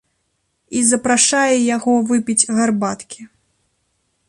І запрашае яго выпіць гарбаткі.